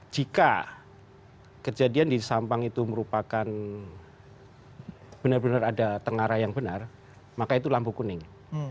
jika kejadian di sampang itu merupakan benar benar ada tengara yang benar maka itu lampu kuning